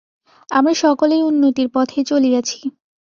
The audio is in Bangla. আমরা সকলেই উন্নতির পথেই চলিয়াছি।